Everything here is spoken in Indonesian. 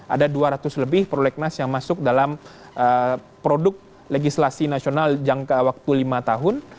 ada dua ratus lebih prolegnas yang masuk dalam produk legislasi nasional jangka waktu lima tahun